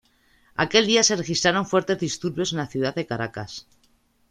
Aquel día se registraron fuertes disturbios en la ciudad de Caracas.